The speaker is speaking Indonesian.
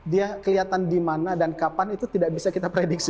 dia kelihatan di mana dan kapan itu tidak bisa kita prediksi